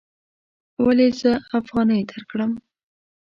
ولې زه افغانۍ درکړم؟